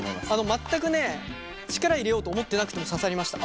全く力を入れようと思ってなくても刺さりました。